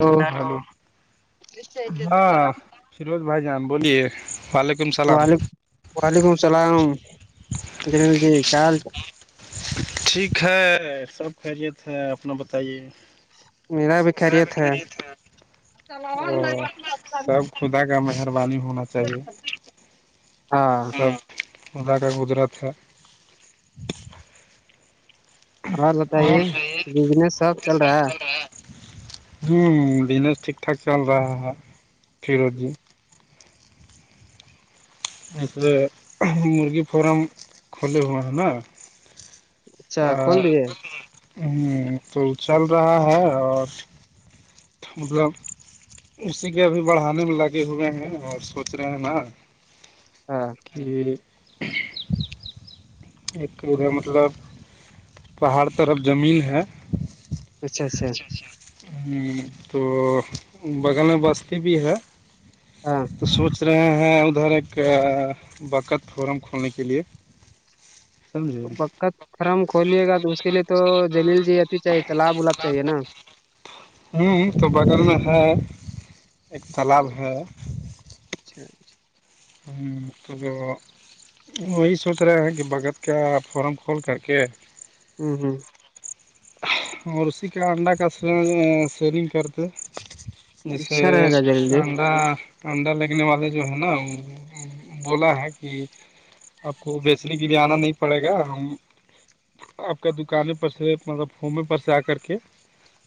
تو ہاں بھائی جان بولیے وعلیکم السلام وعلیکم وعلیکم السلام دل جی کیا حال ٹھیک ہے سب خیریت ہے اپنا بتائیے میرا بھی خریت ہے چل اور سب خدا کا مہربانی ہونا چاہیے ہاں سب مزا کا گزرت ہے اور شید سب چل رہا ہے بزنس ٹھیک ٹھاک چل رہا ہے ہاں فیروز جی ہاں یہسے مرغی فارم کھلے ہوئے ہیں نا اچھا ہاں کھول دیے تو چل رہا ہے اور مطلب اسی کے ابھی بڑھانے میں لگے ہوئے ہیں اور سوچ رہے ہیں نا ہاں کہ ایک ادھر مطلب پہاڑ طرف زمین ہے اچھا اچھا ہاں تو بغل میں بستی بھی ہے ہاں تو سوچ رہے ہیں ادھر ایک بکت فورم کھولنے کے لیے سمجھے بکت فرم کھولیے گا تو اس کے لیے تو جلیل جی اتی چاہیے تالاب ولاب چاہیے نا ہوں تو بغل میں ہے ایک تالاب ہے اچھا تو وہی سوچ رہے ہیں کہ بھگت کیا فورم کھول کر کے ہوں ہوں اور اسی کا انڈا کا س سیلنگ کرتے جیسے اچھا رہے گا جلیل جی انڈا انڈا لگنے والے جو ہے نا وہ بولا ہے کہ آپ کو بیچنے کے لیے آنا نہیں پڑے گا ہم آپ کا دکانیں پر سے مطلب ہوومے پر سے آ کر کے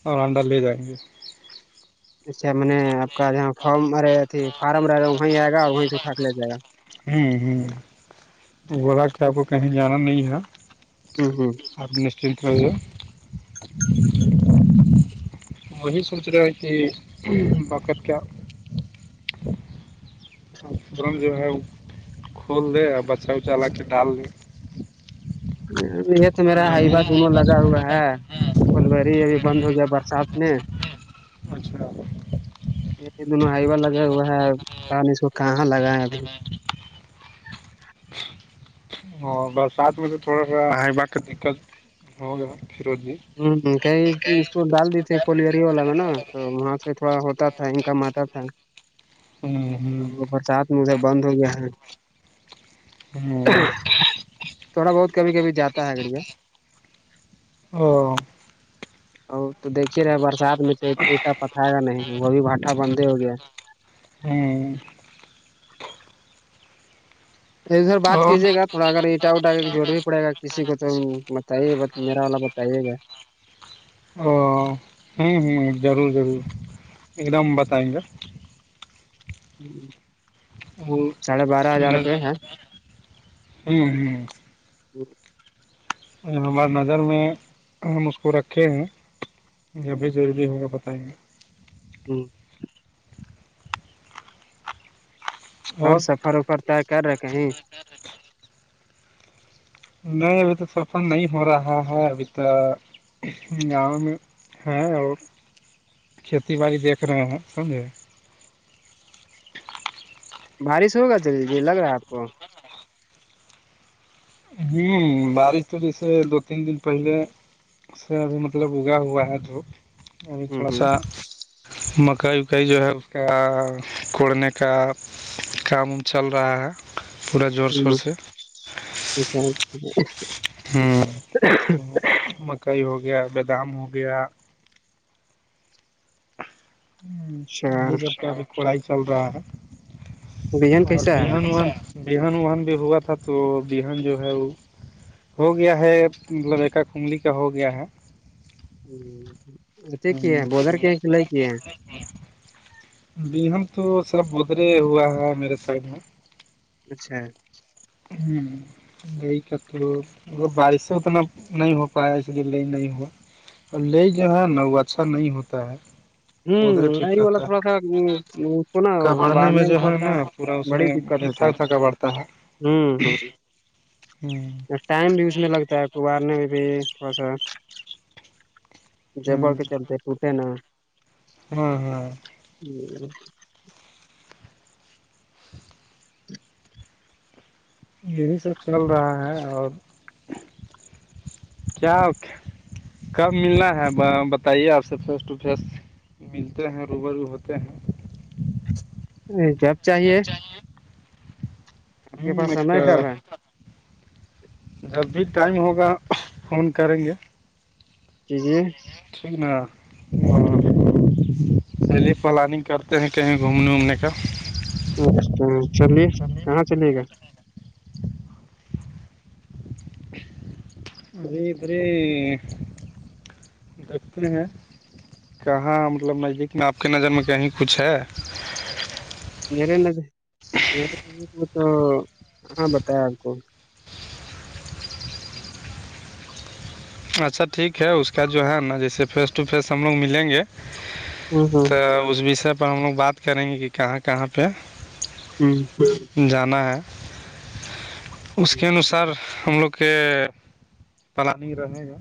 اور انڈا لے جائیں گے اچا میں نے آپ کا ج فارم فارم رہے گا وہیں آئے گا اور وہیں سے اٹھا کے لے جائے گا ہوں ہوں بلا کہ آپ کو کہیں جانا نہیں ہے ہوں ہوں آپ نشچنت رہیے وہی سوچ رہے ہیں کہ بقر کیا مجو ہے کھول دے اور بچا اچا لا کے ڈال دے یہ تو میرا ہائیبہ دونوں لگا ہوا ہے فل گی ابھی بند ہو گیا برسات میں مھے یہ دونوں ہائیوا لگا ہوئے ہے اس کو کہاں لگا ہے ابھی ہاں برسات میں تو تھوڑا سا ہ با دقت ہوگیا فروز بھی ہ کہئی اس کو ڈال دی تے کولیری والا میں نا تو وہاں سے تھوڑا ہوتا تھا انکم آتا تھا ہ وہ برسات میں ادھر بند ہو گیا ہے ہوں تھوڑا بہت کبھی کب جاتا ہے گڑییا ا ا تو دیکھیے رہے برسات میں تو اٹا پتھائے گا نہیں وہ بھی بھٹا بندے ہو گیا ہوں ادھر بات اور کیجیے گا تھوڑا اگر اٹا اٹا ضروری پڑے گا کسی کو تو بتائیے ب میرا والا ب سے گا او ہوں ہ ضرور ضرور ایک دم بتائیں گے ہوں وہ ہوں ہے ہوں ہمار نظر میں ہم اس کو رکھے ہیں جبھی ضروری ہوگا بتائیں گے ہوں اور سفر وفر طے کر رہا کہیں نہیں ابھی تو سفر نہیں ہو رہا ہے ابھی تو گاؤں میں ہاں اور کھیتی باڑی دیکھ رہے ہیں سمجھے بارش ہوگا چلی جی لگ رہا ہے آپ کو ہوں بارش تو جیسے دو تین دن پہلے سے ابھی مطلب اگا ہوا ہے تو ابھی ہ تھوڑا سا مکئی اکائی جو ہے اس کا کوڑنے کا کام وم چل رہا ہے پورے زور شور ہ سے اچھا [inaudible] ہوں تو مکئی ہو گیا بادام ہو گیا ہ اچھا یہی سب کے ابھی کڑائی چل رہا ہے بہن اور کیسا ہے بان وہ بہان وہن بھی ہوا تھا تو بہان جو ہے وہ ہو گیا ہے مطلب ایکا کگلی کا ہو گیا ہے اے کی ہے بازر کے سلائی کی ہے بیہان تو سب ادھرے ہوا ہے میرے سائڈ میں اچھا ہوں لئی کا تو بارش سے اتنا نہیں ہو پایا اس لیے لئی نہیں ہوا اور لے جو ہے نا وہ اچھا نہیں ہوتا ہے ہوں ادھرے ٹھیک لائری والا رہتا تھوڑا ہے سا اس کو نا کبڑنے بارنے میں جو تھا ہے نا پورا اس میں تھک تھکا پڑتا ہے [inaudible] ہوں ٹائم بھی اس میں لگتا ہے کبارنے میں بھی تھوڑا سا جبڑ ہوں کے چلتے ٹوٹے نا ہاں ہاں [inaudible] یہی سب چل رہا ہے اور کیا کب ملنا ہے بتائیے آپ سے فیس ٹو فیس ملتے ہیں روبر ہوتے ہیں جب چاہیے ہ آپ کے پاس مک سمے کب ہے جب بھی ٹائم ہوگا فون کریں گے جی ٹھ ن [inaudible] چلیے پلاننگ کرتے ہیں کہیں گھومنے وومنے کا اچھا چلیے کہاں چلیے گا بھرے دیکھتے ہیں کہاں مطلب نزدیک میں آپ کے نظر میں کہیں کچھ ہے میرے ند میرے ند کو تو ہاں بتیا آپ کو اچھا ٹھیک ہے اس کا جو ہے نا جیسے فیس ٹو فیس ہم لوگ ملیں گے ہاں تو اس وشے پر ہم لوگ بات کریں گے کہ کہاں کہاں پہ [inaudible] جانا ہے اس کے انسار ہم لوگ کہ پلاننگ رہے گا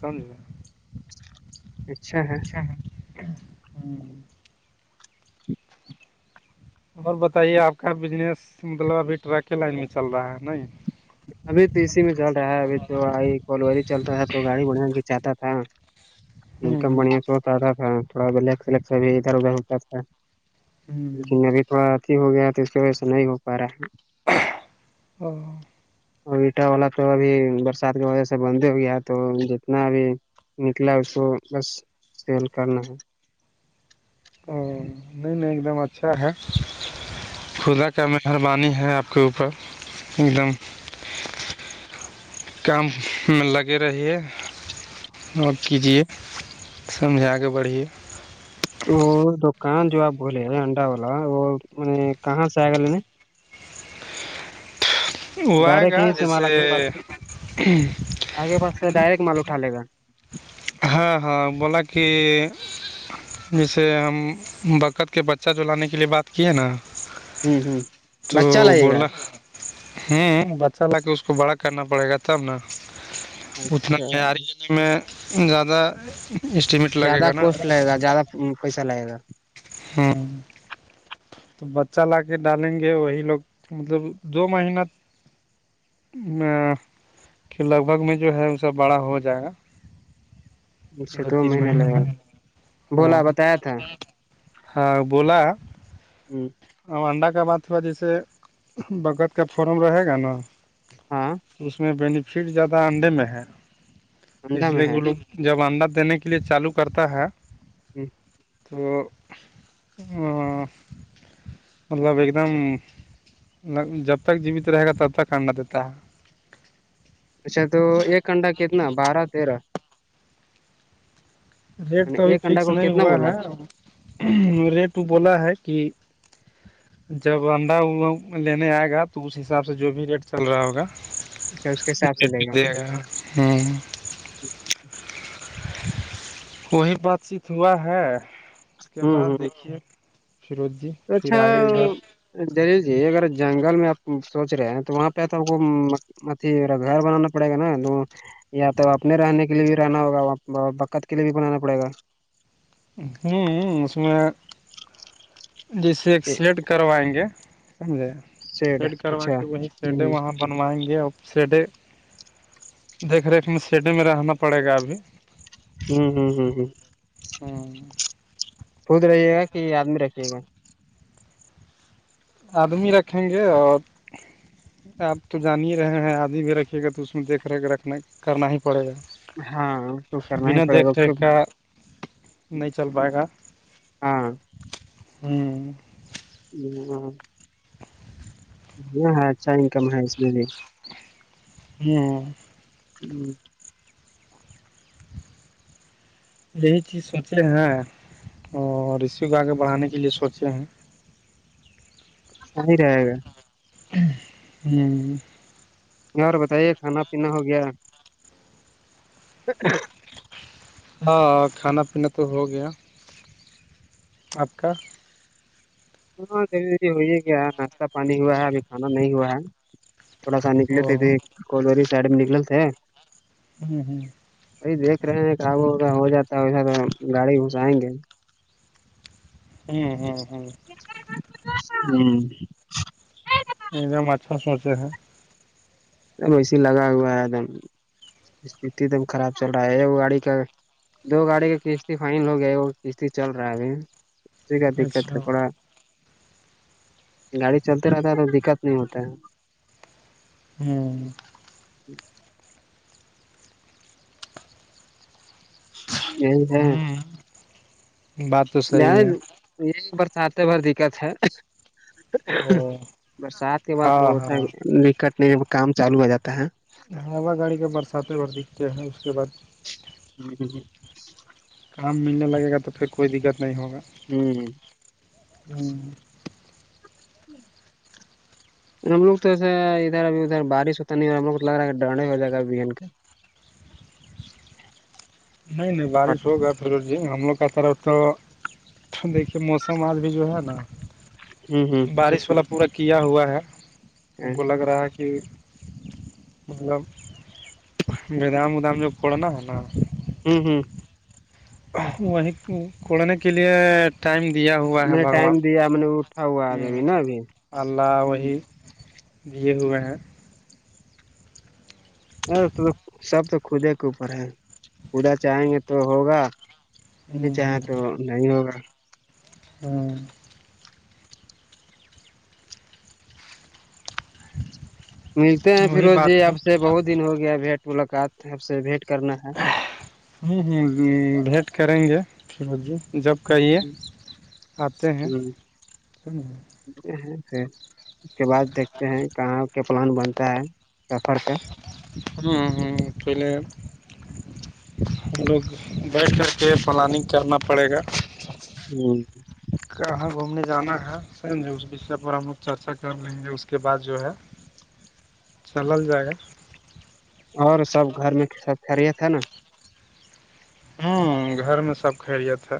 سمجھ گے اچھا ہے اچھا [inaudible] اور بتائیے آپ کا بزنس مطلب ابھی ٹرک کے لائن میں چل رہا ہے نا ابھی تو اسی میں چل رہا ہے ابھی تو آئی کولی چل رہا تھا تو گاڑی بڑھان کے چاہتا تھا انکم ہوں بڑھیا سے ہوتا تھا تھوڑا سیکس ویکس اب ادھر ادھر ہوتا تھا ہوں لیکن ابھی تھوڑا اھی ہو گیا تو اس کی وجہ سے نہیں ہو پا رہا ہے [unintelligible] اور اٹا والا تو ابھی برسات کی وجہ سے بند ہی ہو گیا تو جتنا ابھی نکلا اس کو بس سیل کرنا ہے نہیں نہیں ایک دم اچھا ہے خدا کا مہربانی ہے آپ کے اوپر ایک دم کام میں لگے رہیے اور کیجیے سمجھا کے بڑھیے تو دکان جو آپ بولے انڈا والا وہ م کہاں سے آ گے وہ آئے ڈائریکٹ گا یہیں سے مالا جیسے کے پاس آگے پس سے ڈائریکٹل اٹھال گ ہاں ہاں بولا کہ جیسے ہم برکت کے بچہ جو لانے کے لیے بات کیے نا ہوں ہوں تو بچہ لگے گا بولا ہ بچہ لا کے اس کو بڑا کرنا پڑے گا تب نا اتنا اچھا معیاری ہونے میں زیادہ اسٹیمیٹ لگے زیادہ گا نا کوسٹ لگے گا زیادہ پیسہ لگے گا ہاں تو بچہ لا کے ڈالیں گے وہی لوگ مطلب دو مہینہ میں کہ لگ بھگ میں جو ہے اس سب بڑا ہو جائے گا اچھا دو تین مہینے مہین لگے گا میں بولا بتایا تھا ہاں بولا جی اور انڈہ کا بات ہوا جیسے بگت کا فورم رہے گا نا ہاں اس میں بینیفٹ زیادہ انڈے میں ہے اس انڈا میں لیے ہے کہ لوگ جب انداز دینے کے لیے چالو کرتا ہے جی تو مطلب ایک دم جب تک جیوت رہے گا تب تک انڈا دیتا ہے اچھا تو ایک کنڈہ کتنا بارہ تیرہ ریٹ یعنی تو ابھی ایک انڈا فکس کو نہیں کتنا ہوا بولا ہے ریٹ وہ بولا ہے کہ جب انڈا لینے آئے گا تو اس حساب سے جو بھی ریٹ چل رہا ہوگا کیا اس کے حساب سے دے گا [unintelligible] وہی بات چیت ہوا ہے اس کے بعد دیکھیے فیروج جی پھر توچھا آگے ادھر [unintelligible] دلیل جی اگر جنگل میں آپ سوچ رہے ہیں تو وہاں پہ تو اٹرگھر بنانا پڑے گا نا تو یا تو اپنے رہنے کے لیے بھی رہنا ہوگا بقت کے لیے بھی بنانا پڑے گا ہوں ہو اس میں جیسے ایک سیٹ کروائیں گے سمجھے تو سیڈ کروا اچھا کے وہی ہوں سیڈیں وہاں بنوائیں گے اور سیڈے دیکھ ریکھ میں سیڈے میں رہنا پڑے گا ابھی ہوں ہوں ہوں ہوں ہوں خود رہیے گا کہ آدمی رکھیے گا آدمی رکھیں گے اور آپ تو جان ہی رہے ہیں آدمی بھی رکھیے گا تو اس میں دیکھ ریکھ رکھنا کرنا ہی پڑے گا ہاں تو کرنا ہی بنا پڑے گا دیکھ ریکھ کا نہیں چل پائے گا ہاں ہ ہوں ہ [unintelligible] ہاں ہاں اچھا انکم ہے اس میں بھی ہوں ہی [unintelligible] یہی چیز سوچے ہیں اور اسیی کو آگے بڑھانے کے لیے سوچے ہیں صحی رہگا ہوں اور بتائیے کھانا پینا ہو گیا تو [unintelligible] ہاں کھانا پینا تو ہو گیا آپ کا ہاں جلی ہوئی ہے کیا ناشتہ پانی ہوا ہے ابھی کانا نہیں ہوا ہے تھوڑا سا نکلے او تھےے ہوں کوی سائڈ میں نکل تھے ہوں ہوں بائی دیکھ رہے ہیں کاابو کا ہو جاتا ہے ویسا تو گاڑی گھسائیں گے ہوں ہوں ہوں ہوں ایک دم اچھا سوچے ہیں ا وسے لگا ہوا ہے ایک دم اسک دم خراب چل رہا ہے وہ گاڑی کا دو گاڑی کا کشتی فائن ہو گیا ہے وہ کشتی چل رہا ہے اسی کا دقت اچھا ہے تھوڑا گاڑی چلتے رہتا ہے تو دقت نہیں ہوتا ہے ہوں ہ [inaudible] یہی ہوں بات تو صحیح ہے یہ برسات بھر دقت ہے او برسات کے بعد ہاں توا ہاں نکٹ نہیں کام چالو ہو جاتا ہے ہوا گاڑی کے برساتیں بھر دکھتے ہیں اس کے بعد ہ ہ ہ [unintelligible] کام ملنے لگے گا تو پھر کوئی دقت نہیں ہوگا ہوں ہوں جی [unintelligible] ہم لوگ تو ایسا ادھر اھی ادھر بارش ہوتا نہیں ہے اور ہم لوگ تو لگ رہا ہے کہ ڈرے ہو جائے گا ان کا نہیں نہیں بارش ہو گیا تھ ہم لوگ کا طرف تو دیکھیے موسم آج بھی جو ہے نا ہوں ہوں بارش والا پورا کیا ہوا ہے ہم کو لگ رہا ہے کہ مطلب بدام ودام جب پڑنا ہے نا ہوں ہوں وہیں کوڑنے کے لیے ٹائم دیا ہوا ہے میں نے ٹائم بھگوان دیا میں نے اٹھا ہوا آج ہ ابھی نا ابھی [inaudible] جے ہوئے ہیں تو سب تو خدے کے اوپر ہے خدا چاہیں گے تو ہوگا میں چاہا تو نہیں ہوگا ہوں ملتے ہیں وہی پھروز بات جی ہے آب سے بہت دن ہو گیا ہے بھیٹ ملاقات اب سے بھیینٹ کرنا ہے ہوں بھیٹ کریں گے پھر جب کایے آتے ہیں ملتے اس کے بعد دیکھتے ہیں کہاں کیا پلان بنتا ہے سفر کا ہاں پہلے ہم لوگ بیٹھ کر کے پلاننگ کرنا پڑے گا ہوں کہاں گھومنے جانا ہے سر اس وشے پر ہم لوگ چرچا کر لیں گے اس کے بعد جو ہے [unintelligible] چلل جائے گا اور سب گھر میں سب خری تھا نا ہوں گھر میں سب خرییت ہے